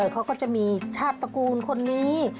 เขาก็จะมีชาติตระกูลคนนี้